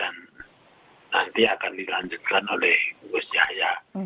nanti akan dilanjutkan oleh kus yahya